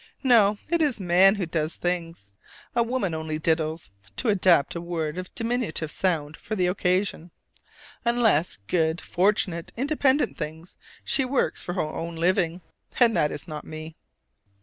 No, it is man who does things; a woman only diddles (to adapt a word of diminutive sound for the occasion), unless, good, fortunate, independent thing, she works for her own living: and that is not me!